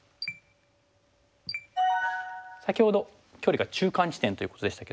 先ほど距離が中間地点ということでしたけども。